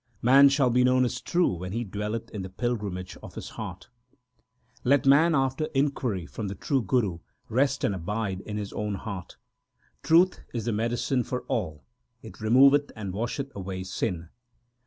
Man shall be known as true, when he dwelleth in the pilgrimage of his heart ; 232 THE SIKH RELIGION Let man after inquiry from the true Guru rest and abide in his own heart ; Truth is the medicine for all ; it removeth and washeth away sin.